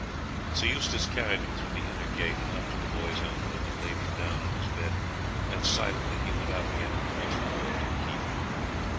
Sir Eustace carried him through the inner gate and up to the boy's own room, and laid him down on his bed, then silently he went out again and crossed the court to the keep.